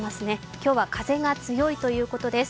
今日は風が強いということです。